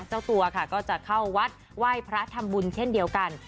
เจ้าตัวค่ะก็จะเข้าวัดไหว้พระทำบุญเช่นเดียวกัน